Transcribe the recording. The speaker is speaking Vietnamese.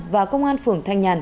và công an phường thanh nhàn